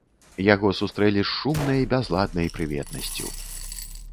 Яго сустрэлі з шумнай, бязладнай прыветнасцю.